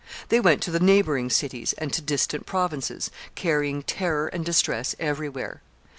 They went to the neighboring cities and to distant provinces, carrying terror and distress every where.